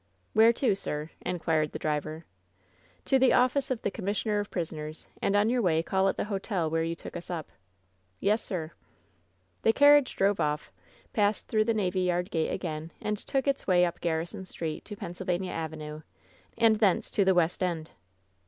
"Where to, sir?" inquired the driver. "To the office of the commissioner of prisoners; and on your way call at the hotel where you took us up." "Yes, sir." The carriage drove off, passed through the navy yard gate again, and took its way up Garrison Street to Penn sylvania Avenue, and thence to the West End.